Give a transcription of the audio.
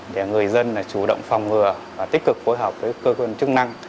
để người dân chủ động phòng ngừa và tích cực phối hợp với cơ quan chức năng